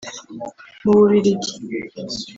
Mu Bubiligi